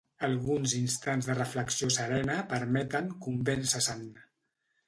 Alguns instants de reflexió serena permeten convéncer-se'n.